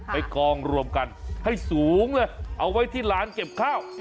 กองรวมกันให้สูงเลยเอาไว้ที่ร้านเก็บข้าว